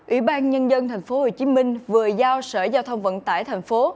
ủy ban nhân dân tp hcm vừa giao sở giao thông vận tải thành phố